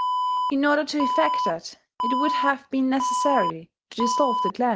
In order to effect that, it would have been necessary to dissolve the clans.